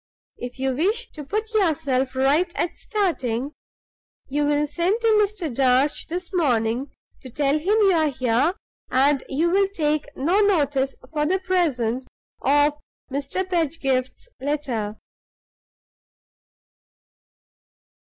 If you wish to put yourself right at starting, you will send to Mr. Darch this morning to tell him you are here, and you will take no notice for the present of Mr. Pedgift's letter."